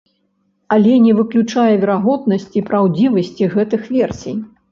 Але не выключае верагоднасці праўдзівасці гэтых версій.